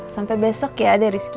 sampai besok ya deriski